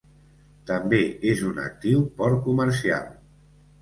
També és un actiu port comercial.